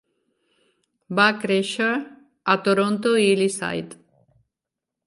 Va créixer a Toronto i Leaside.